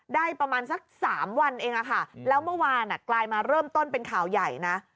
ได้ประมาณสัก๓วันเองอะค่ะแล้วเมื่อวานกลายมาเริ่มต้นเป็นข่าวใหญ่นะ